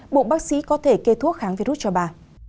buộc bác sĩ có thể kê thuốc kháng virus cho bà